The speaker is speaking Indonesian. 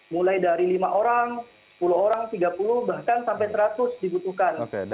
mulai dari lima orang sepuluh orang tiga puluh bahkan sampai seratus dibutuhkan